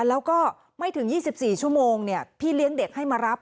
แล้วก็ไม่ถึง๒๔ชั่วโมงพี่เลี้ยงเด็กให้มารับ